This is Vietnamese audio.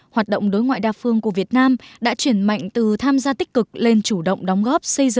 hoạt động đối ngoại đa phương của việt nam đã chuyển mạnh từ tham gia tích cực lên chủ động đóng góp xây dựng